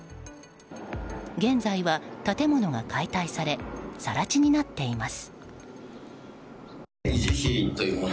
現在は建物が解体され更地になっています。